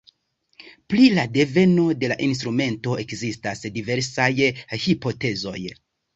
Pri la deveno de la instrumento ekzistas diversaj hipotezoj.